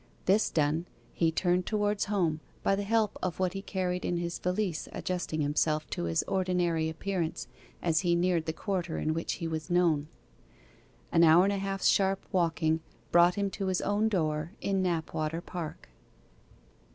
This done, he turned towards home, by the help of what he carried in his valise adjusting himself to his ordinary appearance as he neared the quarter in which he was known. An hour and half's sharp walking brought him to his own door in Knapwater Park.